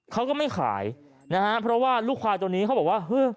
เขาก็ไม่ขายนะฮะเพราะว่าลูกควายตัวนี้เขาบอกว่าฮือ